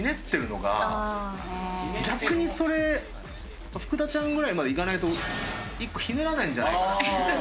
逆にそれ福田ちゃんぐらいまでいかないと１個ひねらないんじゃないかなっていう。